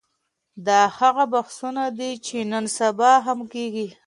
دا هغه بحثونه دي چي نن سبا هم کېږي.